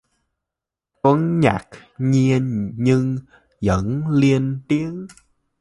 Tuấn ngạc nhiên nhưng vẫn lên tiếng